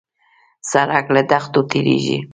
سړک له دښتو تېرېږي.